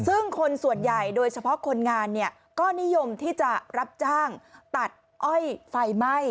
ซึ่งคนส่วนใหญ่โดยเฉพาะคนงานเนี่ยก็นิยมที่จะรับจ้างตัดอ้อยไฟไหม้